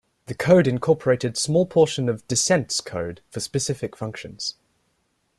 The code incorporated small portions of "Descent"'s code for specific functions.